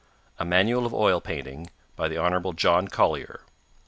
A Manual of Oil Painting. By the Hon. John Collier.